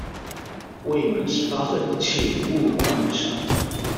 未滿十八歲請勿觀賞